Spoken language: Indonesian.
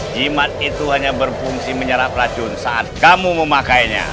jimat itu hanya berfungsi menyerap racun saat kamu memakainya